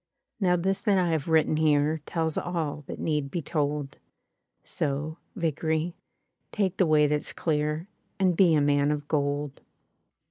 ''Now this that I have written here Tells all that need be told; So, Vickery, take the way that's clear. And be a man of gold."